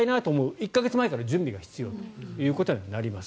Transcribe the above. １か月前から準備が必要ということになります。